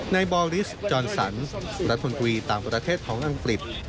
นายบอริสจอนสันรัฐมนตรีต่างประเทศของอังกฤษ